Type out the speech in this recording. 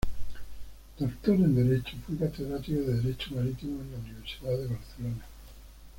Doctor en Derecho, fue catedrático de Derecho Marítimo en la Universidad de Barcelona.